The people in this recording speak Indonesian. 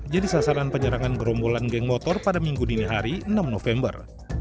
jadi sasaran penyerangan gerombolan geng motor pada minggu dini hari enam november